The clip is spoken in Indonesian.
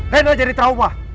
reina jadi trauma